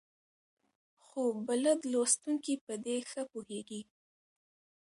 خو بلد لوستونکي په دې ښه پوهېږي.